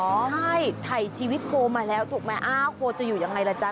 ใช่ไถชีวิตโคมาแล้วถูกไหมโคจะอยู่อย่างไรล่ะจ๊ะ